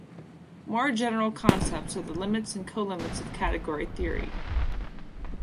More general concepts are the limits and colimits of category theory.